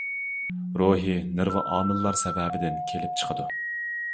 روھىي، نېرۋا ئامىللار سەۋەبىدىن كېلىپ چىقىدۇ.